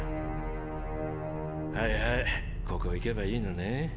はいはいここ行けばいいのね。